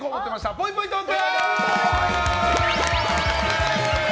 ぽいぽいトーク！